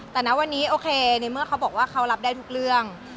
แต่นะวันนี้โอเคในเมื่อเขาบอกว่าเขารับได้ทุกเรื่อง